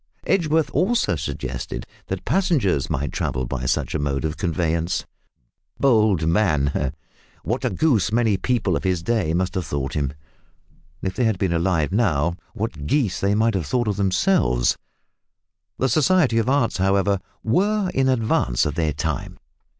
Edgeworth also suggested that passengers might travel by such a mode of conveyance. Bold man! What a goose many people of his day must have thought him. If they had been alive now, what geese they might have thought themselves. The Society of Arts, however, were in advance of their time.